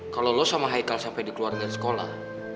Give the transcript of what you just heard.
kalau lo sama michael sampai dikeluarin dari sekolah